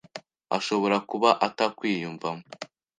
ashobora kuba atakwiyumvamo